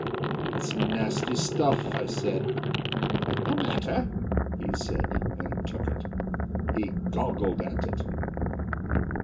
"It's nasty stuff," I said. "No matter," he said, and took it. He goggled at it.